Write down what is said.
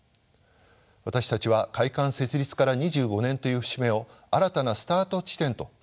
私たちは会館設立から２５年という節目を新たなスタート地点と定め